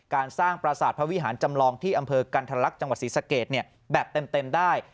การสร้างประสาทพระวิหารจำลองที่อำเภอกันทรลักษณ์จังหวัดศรีสะเกดแบบเต็มได้